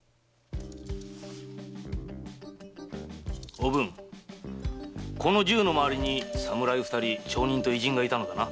おぶんこの銃のまわりに侍二人町人と異人がいたのだな。